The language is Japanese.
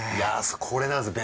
これなんですよ